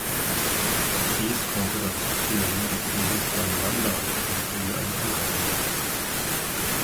Dies konnte dazu führen, dass dieses beim Landeanflug wie ein Anker wirkt.